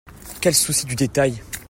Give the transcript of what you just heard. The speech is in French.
Quel souci du détail